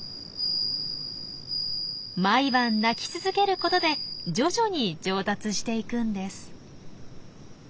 毎晩鳴き続けることで徐々に上達していくんです。